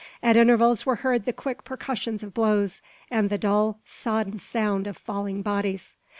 At intervals were heard the quick percussions of blows, and the dull, sodden sound of falling bodies.